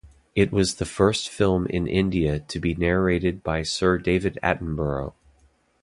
It was the first film in India to be narrated by Sir David Attenborough.